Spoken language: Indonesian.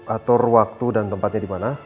atur waktu dan tempatnya dimana